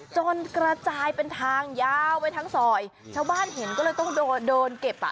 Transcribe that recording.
กระจายเป็นทางยาวไปทั้งซอยชาวบ้านเห็นก็เลยต้องโดนโดนเก็บอ่ะ